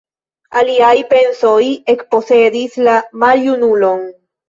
Aliaj pensoj ekposedis la maljunulon.